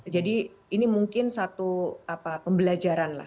jadi ini mungkin satu pembelajaran lah